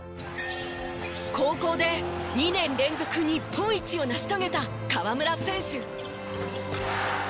高校で２年連続日本一を成し遂げた河村選手。